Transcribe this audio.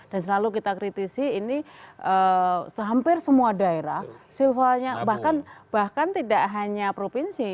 dan selalu kita kritisi ini hampir semua daerah silvanya bahkan tidak hanya provinsi